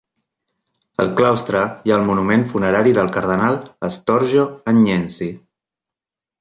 Al claustre hi ha el monument funerari del cardenal Astorgio Agnensi.